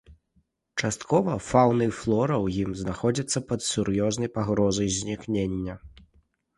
Часткова фаўна і флора ў ім знаходзіцца пад сур'ёзнай пагрозай знікнення.